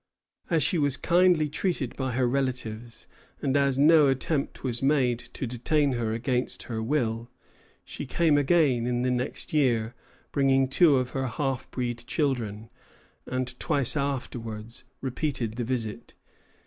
As she was kindly treated by her relatives, and as no attempt was made to detain her against her will, she came again in the next year, bringing two of her half breed children, and twice afterwards repeated the visit.